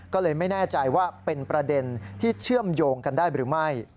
ก็เลยไม่แน่ใจว่าเป็นประเด็นที่เชื่อมโยงกันได้หรือไม่